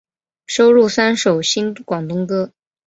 收录三首新广东歌。